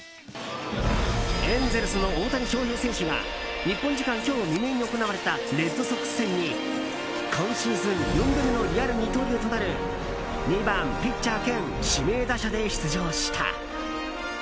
エンゼルスの大谷翔平選手が日本時間今日未明に行われたレッドソックス戦に今シーズン４度目のリアル二刀流となる２番ピッチャー兼指名打者で出場した。